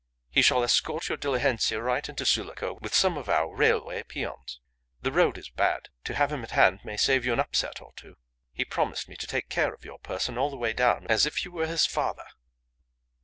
He shall escort your diligencia right into Sulaco with some of our railway peons. The road is bad. To have him at hand may save you an upset or two. He promised me to take care of your person all the way down as if you were his father."